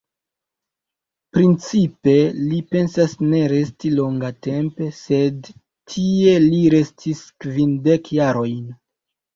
Principe, li pensas ne resti longatempe, sed tie li restis kvindek jarojn.